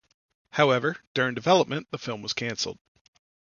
However, during development the film was cancelled.